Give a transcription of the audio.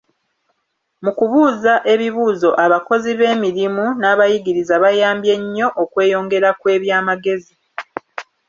Mu kubuuza ebibuuzo abakozi b'emirimu n'abayigiriza bayambye nnyo okweyongera kw'ebyamagezi.